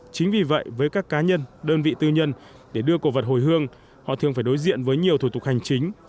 chính vì vậy với các cá nhân đơn vị tư nhân để đưa cổ vật hồi hương họ thường phải đối diện với nhiều thủ tục hành chính